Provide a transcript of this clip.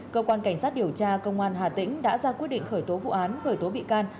cơ quan cảnh sát điều tra công an hà tĩnh đã ra quyết định khởi tố vụ án khởi tố bị can